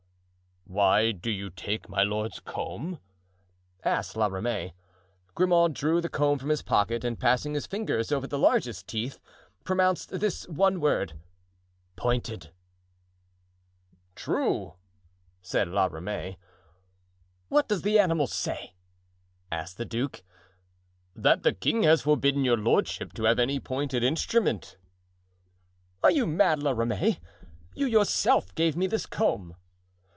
"Why do you take my lord's comb?" asked La Ramee. Grimaud drew the comb from his pocket and passing his fingers over the largest teeth, pronounced this one word, "Pointed." "True," said La Ramee. "What does the animal say?" asked the duke. "That the king has forbidden your lordship to have any pointed instrument." "Are you mad, La Ramee? You yourself gave me this comb."